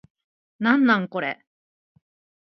なんなんこれ